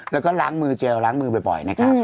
แล้วก็ล้างมือเจลล้างมือบ่อยนะครับ